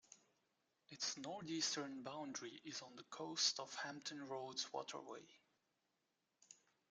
Its northeastern boundary is on the coast of Hampton Roads waterway.